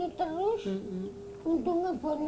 yang ter agreementchi mahasiswa berubah lebih